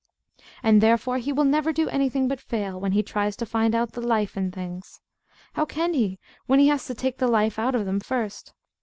And therefore he will never do anything but fail, when he tries to find out the life in things. How can he, when he has to take the life out of them first?